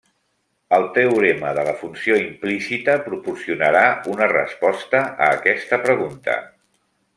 El teorema de la funció implícita proporcionarà una resposta a aquesta pregunta.